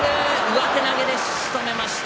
上手投げでしとめました。